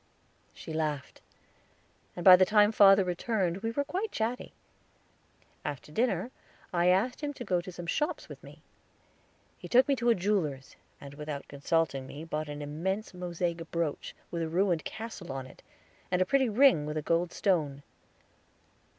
She laughed, and by the time father returned we were quite chatty. After dinner I asked him to go to some shops with me. He took me to a jeweler's, and without consulting me bought an immense mosaic brooch, with a ruined castle on it, and a pretty ring with a gold stone.